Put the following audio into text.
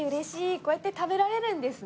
こうやって食べられるんですね。